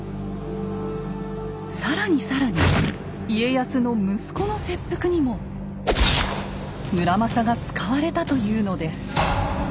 更に更に家康の息子の切腹にも村正が使われたというのです。